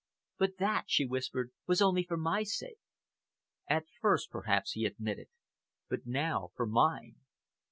"But that," she whispered, "was only for my sake." "At first, perhaps," he admitted, "but now for mine."